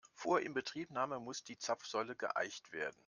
Vor Inbetriebnahme muss die Zapfsäule geeicht werden.